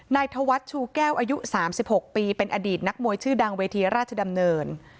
ธวัฒน์ชูแก้วอายุ๓๖ปีเป็นอดีตนักมวยชื่อดังเวทีราชดำเนิน